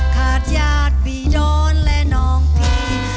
ขาดญาติผีดอนและน้องผี